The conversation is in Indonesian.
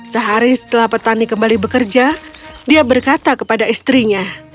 sehari setelah petani kembali bekerja dia berkata kepada istrinya